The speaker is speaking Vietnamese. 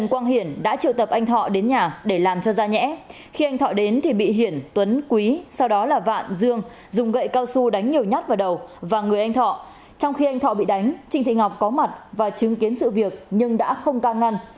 khi anh thọ bị đánh trinh thị ngọc có mặt và chứng kiến sự việc nhưng đã không can ngăn